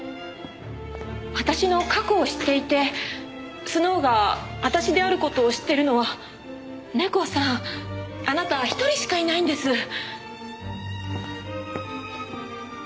私の過去を知っていてスノウが私である事を知っているのはネコさんあなた一人しかいないんです。